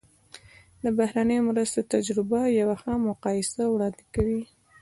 د بهرنیو مرستو تجربه یوه ښه مقایسه وړاندې کوي.